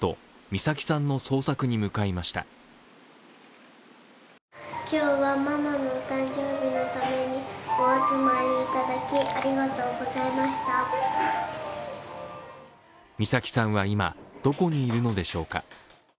美咲さんは今、どこにいるのでしょうか？